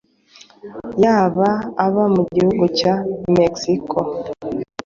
yaba aba mu gihugu cya Mexico